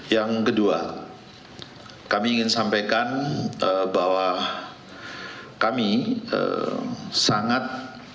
yang kedua kami ingin sampaikan bahwa kami sangat